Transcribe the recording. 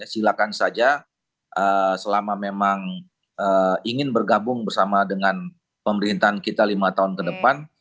silakan saja selama memang ingin bergabung bersama dengan pemerintahan kita lima tahun ke depan